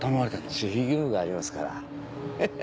守秘義務がありますからヘヘヘ。